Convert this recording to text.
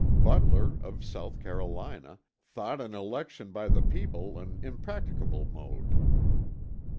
Butler, of South Carolina, "thought an election by the people an impracticable mode."